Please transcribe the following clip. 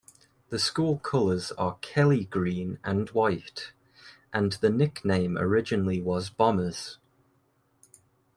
The school colors are kelly green and white, and the nickname originally was Bombers.